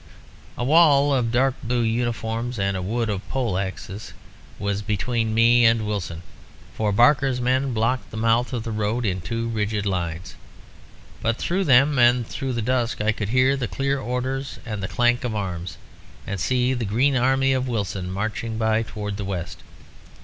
"A wall of dark blue uniforms and a wood of pole axes was between me and Wilson, for Barker's men blocked the mouth of the road in two rigid lines. But through them and through the dusk I could hear the clear orders and the clank of arms, and see the green army of Wilson marching by towards the west.